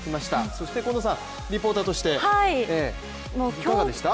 そして近藤さん、リポーターとしていかがでした？